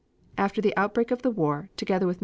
after the outbreak of the war, together with Mr. von